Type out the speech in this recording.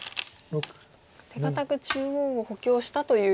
手堅く中央を補強したという見方が。